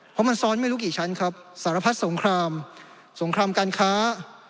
เพราะมันซ้อนไม่รู้กี่ชั้นครับสารพัดสงครามสงครามการค้า